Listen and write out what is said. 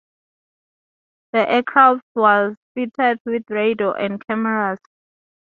The aircraft was fitted with radio and cameras.